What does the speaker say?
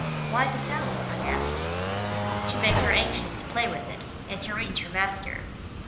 "Why the towel?" I asked. "To make her anxious to play with it, and to reach her master.